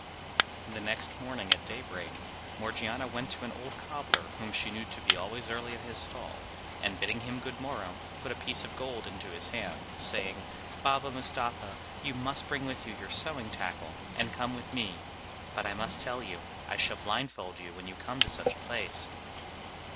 The next morning at daybreak, Morgiana went to an old cobbler whom she knew to be always early at his stall, and bidding him good morrow, put a piece of gold into his hand, saying, "Baba Mustapha, you must bring with you your sewing tackle, and come with me; but I must tell you, I shall blindfold you when you come to such a place."